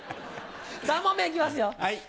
３問目いきますよ。